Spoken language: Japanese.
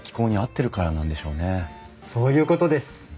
そういうことです。